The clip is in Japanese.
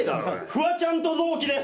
フワちゃんと同期です。